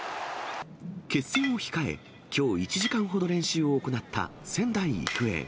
決戦を控え、きょう、１時間ほど練習を行った仙台育英。